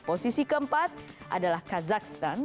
posisi keempat adalah kazakhstan